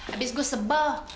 abis gue sebel